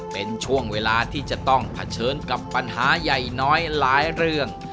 เป็นช่วงเวลาที่จะต้องเผชิญกับปัญหาใหญ่น้อยหลายเรื่อง